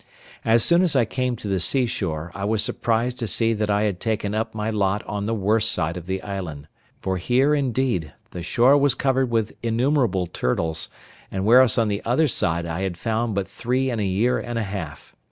As soon as I came to the sea shore, I was surprised to see that I had taken up my lot on the worst side of the island, for here, indeed, the shore was covered with innumerable turtles, whereas on the other side I had found but three in a year and a half.